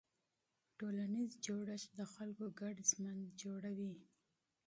ټولنیز جوړښت د خلکو ګډ ژوند تنظیموي.